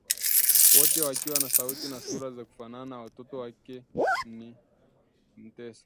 wote wakiwa na sauti na sura za kuwafanana watoto wake ili kumtesa